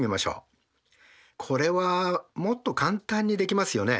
これはもっと簡単にできますよね。